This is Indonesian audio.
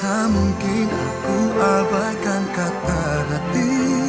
tak mungkin aku abaikan kata mati